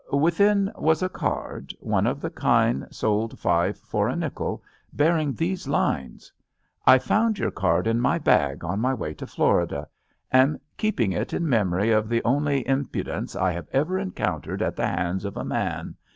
Within was a card, one of the kind sold five for a nickel, bearing these lines : "I found your card in my bag on my way to Florida. Am keeping it in memory of the only impu dence I have ever encountered at the hands of a man.